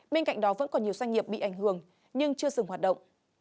bên cạnh đó vẫn còn nhiều doanh nghiệp bị ảnh hưởng nhưng chưa dừng hoạt động